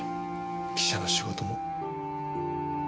記者の仕事も。